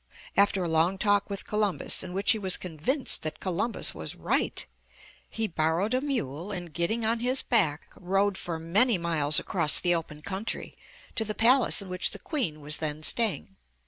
After a long talk with Col umbus, in which he was convinced that Columbus was right, he bor rowed a mule and, getting on his back, rode for many miles across the open country to the palace in which the Queen was then staying.